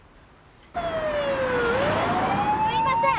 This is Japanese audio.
すいません